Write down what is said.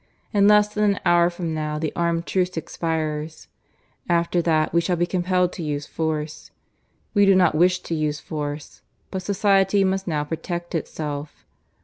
In less than an hour from now the armed truce expires. After that we shall be compelled to use force. We do not wish to use force; but society must now protect itself.